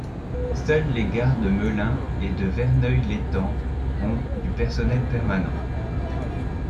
Seules les gares de Melun et de Verneuil-l'Étang ont du personnel permanent.